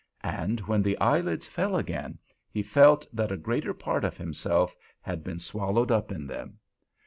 And when the eyelids fell again, he felt that a greater part of himself had been swallowed up in them.